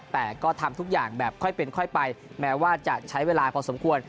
แต่ก็ทำทุกอย่างแบบค่อยเป็นค่อยไปแม้ว่าจะใช้เวลาพอสมควร